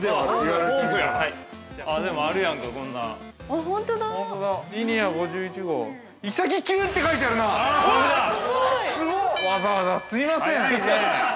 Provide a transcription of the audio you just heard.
◆わざわざすいません。